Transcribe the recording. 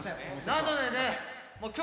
なのでね。